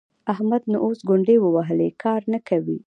احمد نو اوس ګونډې ووهلې؛ کار نه کوي.